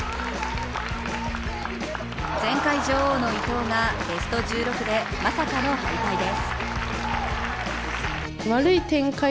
前回女王の伊藤がベスト１６でまさかの敗退です。